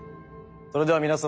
それでは皆様